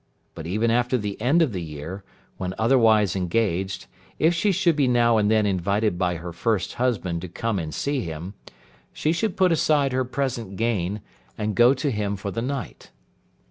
But even after the end of the year, when otherwise engaged, if she should be now and then invited by her first husband to come and see him, she should put aside her present gain, and go to him for the night.